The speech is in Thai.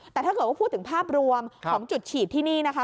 แต่ถ้าเกิดว่าพูดถึงภาพรวมของจุดฉีดที่นี่นะคะ